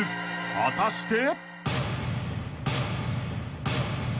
［果たして］